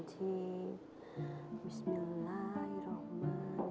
di sana pencurian beneran